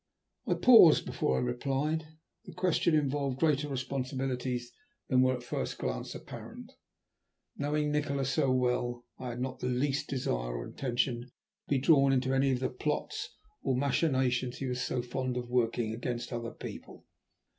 I paused before I replied. The question involved greater responsibilities than were at first glance apparent. Knowing Nikola so well, I had not the least desire or intention to be drawn into any of the plots or machinations he was so fond of working against other people.